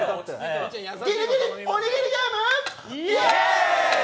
ギリギリおにぎりゲームイエーイ！